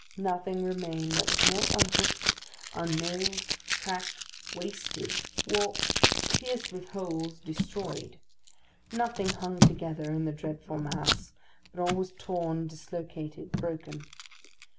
Nothing remained that was not unhooked, unnailed, cracked, wasted, warped, pierced with holes, destroyed: nothing hung together in the dreadful mass, but all was torn, dislocated, broken.